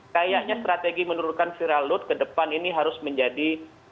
kayaknya strategi menurunkan viral load ke depan ini harus menjadi